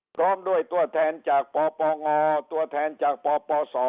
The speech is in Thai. พร้อมด้วยตัวแทนจากปปงตัวแทนจากปปศ